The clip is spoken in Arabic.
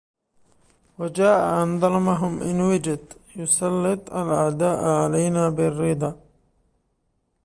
وجاء أن ظلمهم إن وجد يسلط الأعداء علينا بالردى